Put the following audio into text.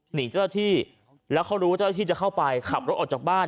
หนีเจ้าหน้าที่แล้วเขารู้ว่าเจ้าที่จะเข้าไปขับรถออกจากบ้าน